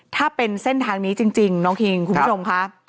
ถ้าเป็นเส้นทางนี้จริงน้องคิงคุณผู้ชมค่ะ